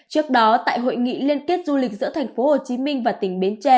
trước đó tại hội nghị liên kết du lịch giữa thành phố hồ chí minh và tỉnh bến tre